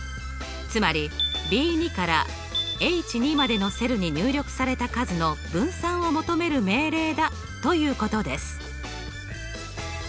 つまりＢ２からＨ２までのセルに入力された数の分散を求める命令だということです。